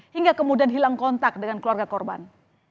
hingga kemudian hilang kontak dengan keluarga korban